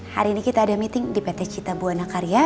hari ini kita ada meeting di pt cita buana karya